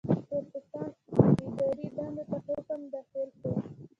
تور پوستان اداري دندو ته کم داخل شول.